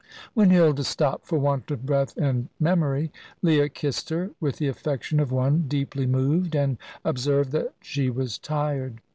When Hilda stopped for want of breath and memory, Leah kissed her with the affection of one deeply moved, and observed that she was tired.